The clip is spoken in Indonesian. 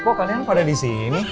kok kalian pada disini